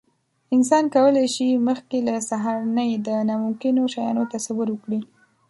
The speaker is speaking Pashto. انسان کولی شي، مخکې له سهارنۍ د ناممکنو شیانو تصور وکړي.